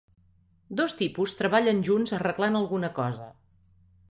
Dos tipus treballen junts arreglant alguna cosa